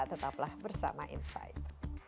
tetaplah bersama invite